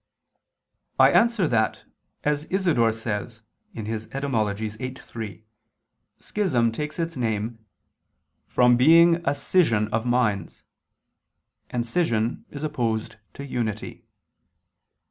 I answer that, As Isidore says (Etym. viii, 3), schism takes its name "from being a scission of minds," and scission is opposed to unity.